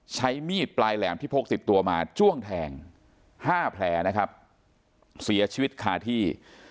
ใช้มีดปลายแหลมที่พกติดตัวมาจ้วงแทงห้าแผลนะครับเสียชีวิตคาที่